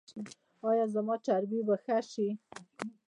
ایا زما چربي به ښه شي؟